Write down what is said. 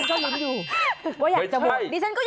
นี่ฉันก็อยากโหวตนี่ฉันก็มีสิทธิ์ที่จะได้โหวต